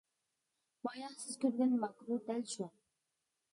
بايا سىز كۆرگەن ماكرو دەل شۇ.